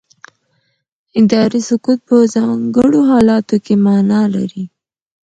اداري سکوت په ځانګړو حالاتو کې معنا لري.